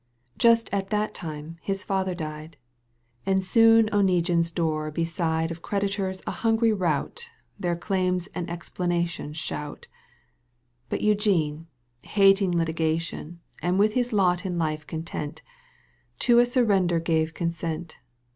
Just at that time his father died, And soon Oneguine's door beside Of creditors a hungry rout Their claims and explanations shout. But Eugene, hating litigation And with his lot in life content, To a surrender gave consent.